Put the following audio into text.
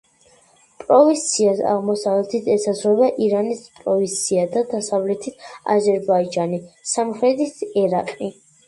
პროვინციას აღმოსავლეთით ესაზღვრება ირანის პროვინცია დასავლეთი აზერბაიჯანი, სამხრეთით ერაყი.